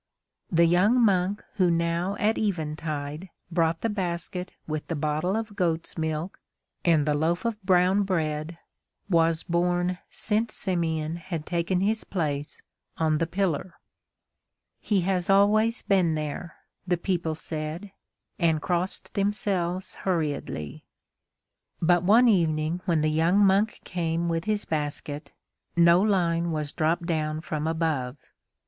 The young monk who now at eventide brought the basket with the bottle of goat's milk and the loaf of brown bread was born since Simeon had taken his place on the pillar. "He has always been there," the people said, and crossed themselves hurriedly. But one evening when the young monk came with his basket, no line was dropped down from above.